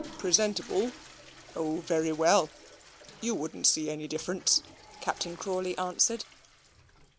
"Presentable? oh, very well. You wouldn't see any difference," Captain Crawley answered.